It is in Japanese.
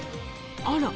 あら。